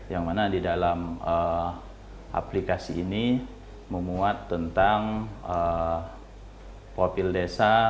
yang mana di dalam aplikasi ini memuat tentang popil desa